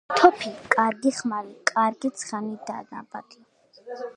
კარგი თოფი, კარგი ხმალი კარგი ცხენი და ნაბადი!